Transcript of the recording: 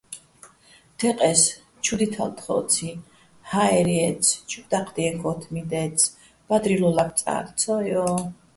თეყე́ს: ჩუ დითალ თხოციჼ, ჰაერ ჲაჲცი̆, ჩუჰ̦ დაჴდიენო̆ ქო́თმი დაჲცი̆, ბადრილო ლაბწალ, - ცო, ჲო!